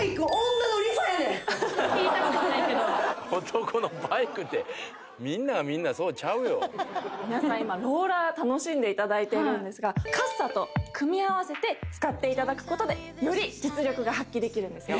聞いたことないけど皆さん今ローラー楽しんでいただいてるんですがカッサと組み合わせて使っていただくことでより実力が発揮できるんですよ